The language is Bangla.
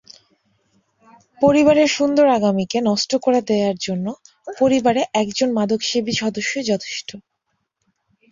পরিবারের সুন্দর আগামীকে নষ্ট করে দেওয়ার জন্য পরিবারে একজন মাদকসেবী সদস্যই যথেষ্ট।